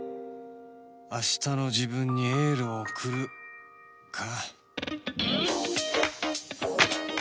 「明日の自分にエールを送る」か